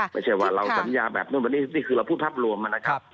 ไม่ใช่ว่าเราสัญญาแบบนู่นแบบนี้นี่คือเราพูดภาพรวมนะครับ